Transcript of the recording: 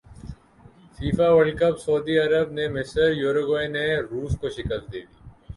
FIFA world cup سعودی عرب نے مصر یوروگوئے نے روس کو شکست دیدی